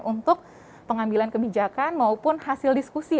untuk pengambilan kebijakan maupun hasil diskusi